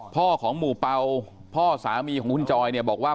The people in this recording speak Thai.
พ่อของหมู่เป่าพ่อสามีของคุณจอยเนี่ยบอกว่า